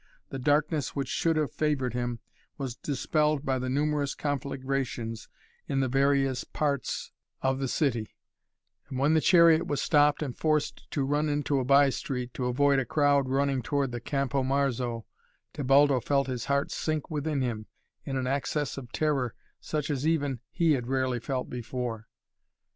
The darkness which should have favored him was dispelled by the numerous conflagrations in the various parts of the city, and when the chariot was stopped and forced to run into a by street, to avoid a crowd running toward the Campo Marzo, Tebaldo felt his heart sink within him in an access of terror such as even he had rarely felt before.